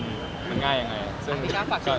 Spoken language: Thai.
ทั้งจ่ายแล้วก็ส่งของ